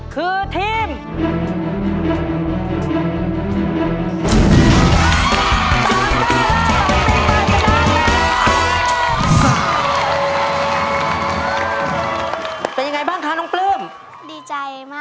คือทีม